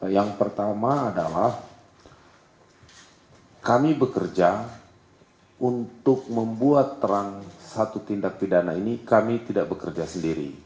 yang pertama adalah kami bekerja untuk membuat terang satu tindak pidana ini kami tidak bekerja sendiri